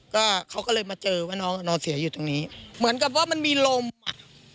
ก็เขาก็เลยมาเจอว่าน้องนอนเสียอยู่ตรงนี้เหมือนกับว่ามันมีลมอ่ะ